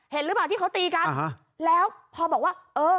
เห็นหรือเปล่าที่เขาตีกันแล้วพอบอกว่าเออ